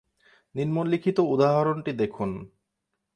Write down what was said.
নিম্নলিখিত উদাহরণটি দেখুন।